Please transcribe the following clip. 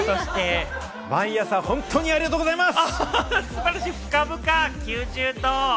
毎朝本当にありがとうございます。